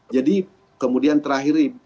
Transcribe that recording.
jadi kemudian terakhir